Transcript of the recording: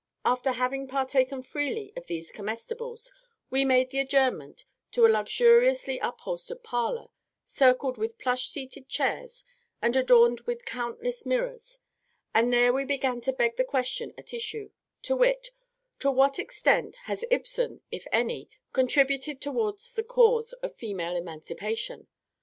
"] After having partaken freely of these comestibles, we made the adjournment to a luxuriously upholstered parlour, circled with plush seated chairs and adorned with countless mirrors, and there we began to beg the question at issue, to whit, "_To what extent has Ibsen (if any) contributed towards the cause of Female Emancipation?